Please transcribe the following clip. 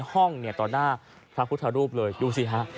ตอนหน้าพระพุทธรูปเลยดูซะฮะ